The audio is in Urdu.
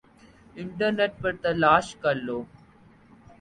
انٹرنیٹ پر تلاش کر لو